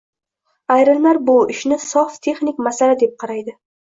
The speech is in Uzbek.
Ayrimlar bu ishni sof texnik masala deb qaraydi.